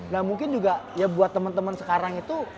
nah mungkin juga ya buat temen temen sekarang itu